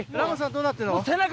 どうなってんの？